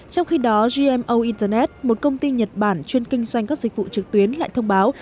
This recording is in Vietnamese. trong khi đó gmo internet một công ty nhật bản chuyên kinh doanh các dịch vụ trực tuyến lại thông báo